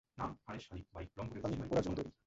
আমি উড়ার জন্য তৈরি।